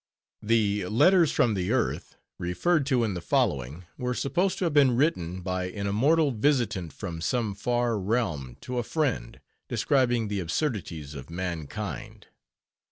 The "Letters from the Earth" referred to in the following, were supposed to have been written by an immortal visitant from some far realm to a friend, describing the absurdities of mankind.